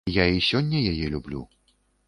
Я і сёння яе люблю.